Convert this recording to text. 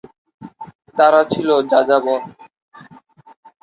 তারা ছিল যাযাবর।